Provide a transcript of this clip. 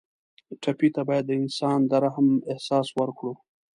ټپي ته باید د انسان د رحم احساس ورکړو.